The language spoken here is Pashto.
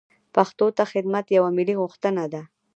پښتو ته خدمت یوه ملي غوښتنه ده.